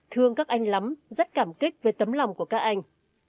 thương các anh lắm rất cảm kích với tấm lòng của các anh